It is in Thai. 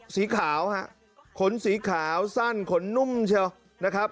สีขาวขนสีขาวสั้นขนนุ่มนะครับ